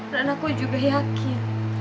dan aku juga yakin